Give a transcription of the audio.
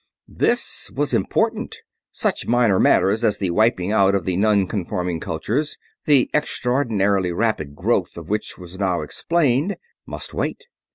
This was important. Such minor matters as the wiping out of non conforming cultures the extraordinarily rapid growth of which was now explained must wait.